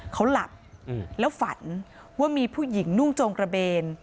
เขาหลับแล้วฝันว่ามีผู้หญิงนุ่งจงกระเบน